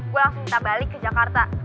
gue langsung kita balik ke jakarta